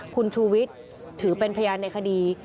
คุณชูวิทย์ถือเป็นพยานในคดี